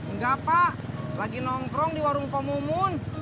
enggak pak lagi nongkrong di warung komumun